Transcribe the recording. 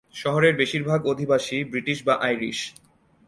শহরের বেশির ভাগ অধিবাসী ব্রিটিশ বা আইরিশ।